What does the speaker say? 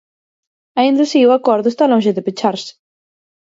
Aínda así, o acordo está lonxe de pecharse.